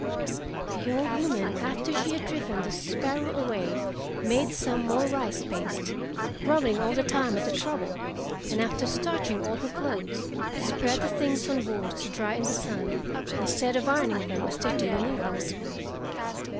The old woman, after she had driven the sparrow away, made some more rice paste, grumbling all the time at the trouble, and after starching all her clothes, spread the things on boards to dry in the sun, instead of ironing them as they do in England.